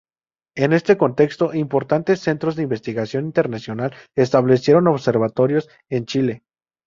En este contexto importantes centros de investigación internacional establecieron observatorios en Chile.